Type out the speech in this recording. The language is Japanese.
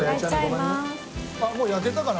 あっもう焼けたかな？